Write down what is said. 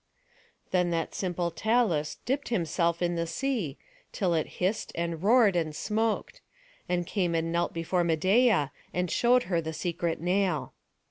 Then that simple Talus dipped himself in the sea, till it hissed, and roared, and smoked; and came and knelt before Medeia, and showed her the secret nail.